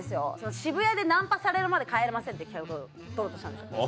渋谷でナンパされるまで帰れませんっていう企画撮ろうとしたんですよ